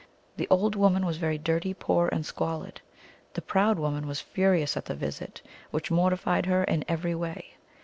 The eld woman was very dirty, poor, and squalid. The proud woman was furious at the visit, which mortified her in every way.